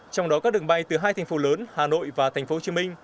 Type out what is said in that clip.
trong đó các đường bay từ hai thành phố lớn hà nội và tp hcm